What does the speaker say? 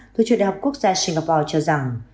thu chứa đại học quốc gia singapore cho rằng